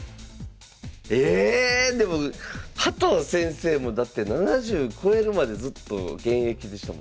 えでも加藤先生もだって７０超えるまでずっと現役でしたもんね。